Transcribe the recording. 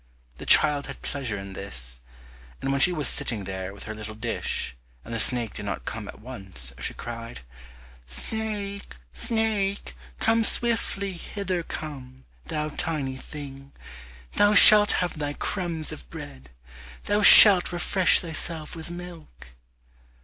The child had pleasure in this, and when she was sitting there with her little dish and the snake did not come at once, she cried, "Snake, snake, come swiftly Hither come, thou tiny thing, Thou shalt have thy crumbs of bread, Thou shalt refresh thyself with milk."